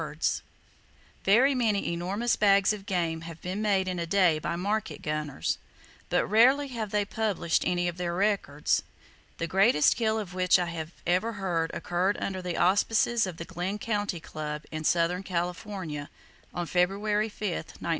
RUFFED GROUSE A Common Victim of Illegal Slaughter Very many enormous bags of game have been made in a day by market gunners: but rarely have they published any of their records. The greatest kill of which I ever have heard occurred under the auspices of the Glenn County Club, in southern California, on February 5, 1906.